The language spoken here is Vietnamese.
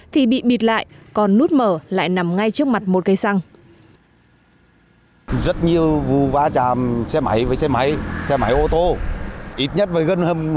thì bị bịt lại còn nút mở lại nằm ngay trước mặt một cây xăng